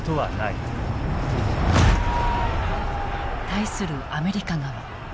対するアメリカ側。